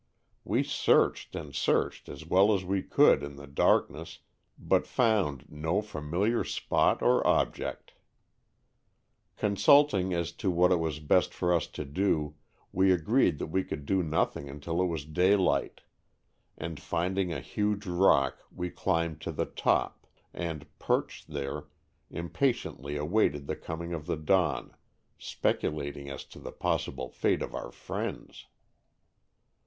We searched and searched as well as we could in the darkness, but found no familiar spot or object. 55 Stowes from the Adirondacks. Consulting as to what it was best for us to do we agreed that we could do nothing until it was daylight, and find ing a huge rock we climbed to the top, and, perched there, impatiently awaited the coming of the dawn, speculating as to the possible fate of our friends.